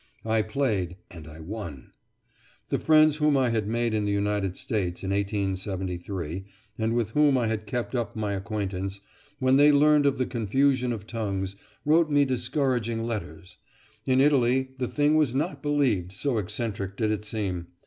I played, and I won! The friends whom I had made in the United States in 1873, and with whom I had kept up my acquaintance, when they learned of the confusion of tongues, wrote me discouraging letters. In Italy the thing was not believed, so eccentric did it seem.